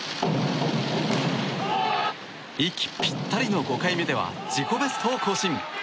息ぴったりの５回目では自己ベストを更新。